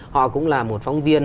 họ cũng là một phóng viên